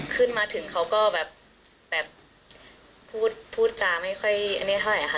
ขึ้นมาถึงเขาก็แบบพูดพูดจาไม่ค่อยอันนี้เท่าไหร่ค่ะ